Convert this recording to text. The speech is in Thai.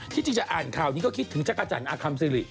ที่จะอ่านข่าวนี้ก็คิดถึงชะกะจันอคัมซิริ